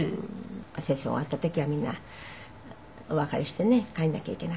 戦争が終わった時はみんなお別れしてね帰らなきゃいけなかった。